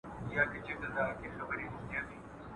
o چي زه او ته راضي، څه او څه غيم د قاضي.